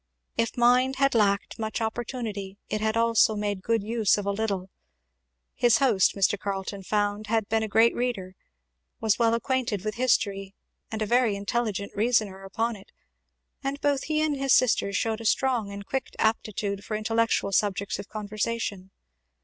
If mind had lacked much opportunity it had also made good use of a little; his host, Mr. Carleton found, had been a great reader, was well acquainted with history and a very intelligent reasoner upon it; and both he and his sister shewed a strong and quick aptitude for intellectual subjects of conversation.